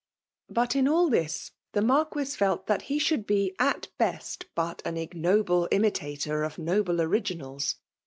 But in all this, the Marquis felt that he should be at best but an ignoble isni' tetor of noble originals.